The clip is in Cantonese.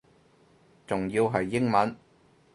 仲要係英文